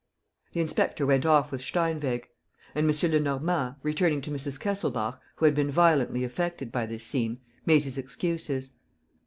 The inspector went off with Steinweg; and M. Lenormand, returning to Mrs. Kesselbach, who had been violently affected by this scene, made his excuses.